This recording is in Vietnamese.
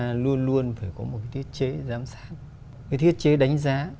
chúng ta luôn luôn phải có một cái thiết chế giám sát cái thiết chế đánh giá